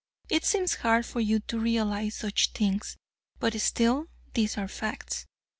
It seems hard for you to realize such things, but still these are facts.